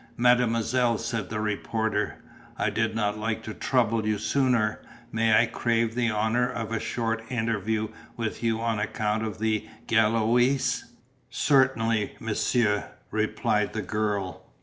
"Mademoiselle," said the reporter, "I did not like to trouble you sooner, may I crave the honour of a short interview with you on account of the Gaulois?" "Certainly, monsieur," replied the girl.